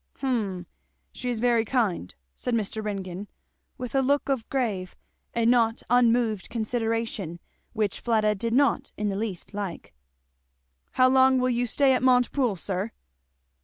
"Hum! she is very kind." said Mr. Ringgan, with a look of grave and not unmoved consideration which Fleda did not in the least like; "How long will you stay at Montepoole, sir?"